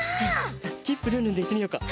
じゃあスキップルンルンでいってみよっか！